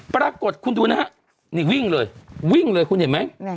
ปรากฏคุณดูนะครับวิ่งเลยคุณเห็นไหม